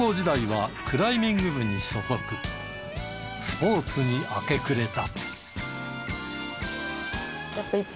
スポーツに明け暮れた。